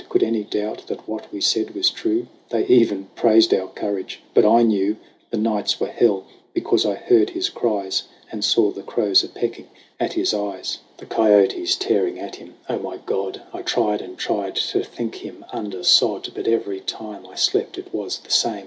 Could any doubt that what we said was true ? They even praised our courage ! But I knew ! The nights were hell because I heard his cries And saw the crows a pecking at his eyes, JAMIE 123 The kiotes tearing at him. O my God ! I tried and tried to think him under sod ; But every time I slept it was the same.